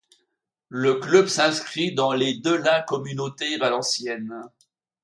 Le club s'inscrit dans les de la communauté valencienne.